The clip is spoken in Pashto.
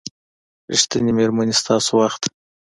ریښتینې میرمنې ستاسو وخت